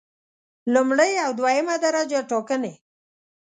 لومړی او دویمه درجه ټاکنې